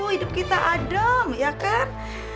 hidup kita adem ya kan